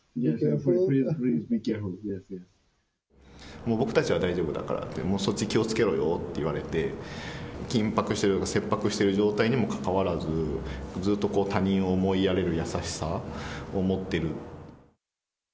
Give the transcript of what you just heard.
もう僕たちは大丈夫だからって、もうそっち気をつけろよって言われて、緊迫してる、切迫してる状態にもかかわらず、ずっと他人を思いやれる優しさを持っている。